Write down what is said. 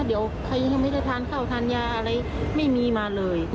เดี๋ยวใครยังไม่ได้ทานข้าวทานยาอะไรไม่มีมาเลย